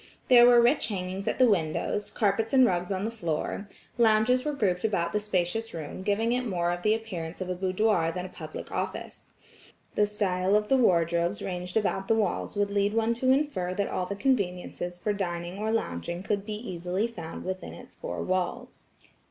There were rich hangings at the windows, carpets and rugs on the floor, lounges were grouped about the spacious room giving it more the appearance of a boudoir than a public office. The style of the wardrobes ranged about the walls would lead one to infer that all the conveniences for dining or longing could be easily found within its four walls.